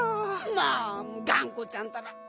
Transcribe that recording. まあがんこちゃんたら！